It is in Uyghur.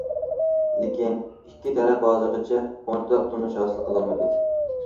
لېكىن ئىككى تەرەپ ھازىرغىچە ئورتاق تونۇش ھاسىل قىلالمىدى.